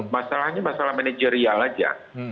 masalahnya masalah manajerial aja